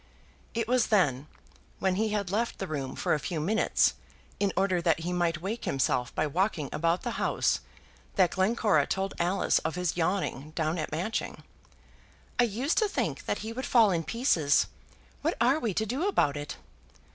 It was then, when he had left the room for a few minutes, in order that he might wake himself by walking about the house, that Glencora told Alice of his yawning down at Matching. "I used to think that he would fall in pieces. What are we to do about it?"